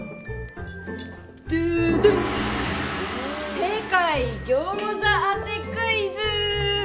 世界餃子当てクイズ！